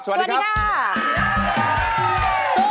สวัสดีครับสวัสดีครับ